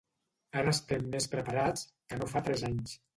Ara estem més preparats que no fa tres anys.